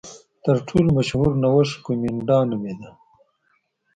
تر ټولو مشهور نوښت کومېنډا نومېده.